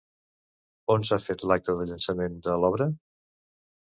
On s'ha fet l'acte de llançament de l'obra?